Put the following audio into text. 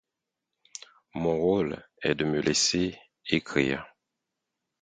Mon rôle est de me laisser écrire.